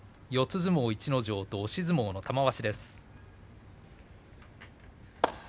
相撲、逸ノ城と押し相撲の玉鷲。